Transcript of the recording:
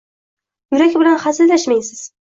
Yurak bilan hazillashmang, siz.